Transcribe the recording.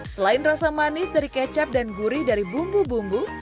selain rasa manis dari kecap dan gurih dari bumbu bumbu